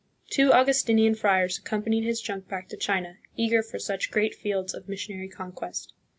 Two Augustinian friars accompanied his junk back to China, eager for such great fields of missionary conquest.